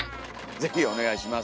是非お願いします。